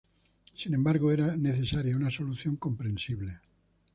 Sin embargo, era necesaria una solución comprensible.